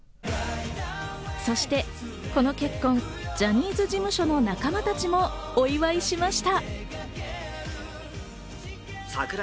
そしてこの結婚、ジャニーズ事務所の仲間たちもお祝いしました。